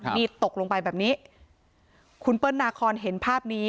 นี่ตกลงไปแบบนี้คุณเปิ้ลนาคอนเห็นภาพนี้